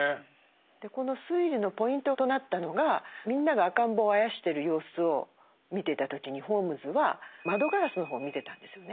でこの推理のポイントとなったのがみんなが赤ん坊をあやしてる様子を見ていた時にホームズは窓ガラスの方を見てたんですよね。